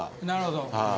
なるほど。